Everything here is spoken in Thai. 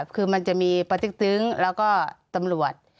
คือมันจะมีปติ๊กตึ้งแล้วก็ตำรวจ